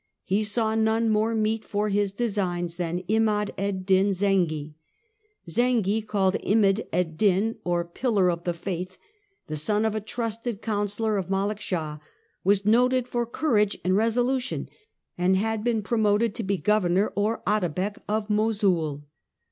... He saw none more meet for His designs than Imad ed din Zengy." Zengy, called Imad ed din, or " Pillar of the Faith," the son of a trusted counsellor of Malek Shah, was noted for courage and resolution, and had been promoted to be governor or " Atabek " of Mosul.